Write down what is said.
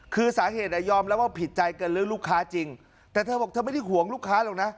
คือสาเหตุยอมรับว่าผิดใจกันเรื่องลูกค้าจริงแต่เธอบอกเธอไม่ได้ห่วงลูกค้าหรอกนะ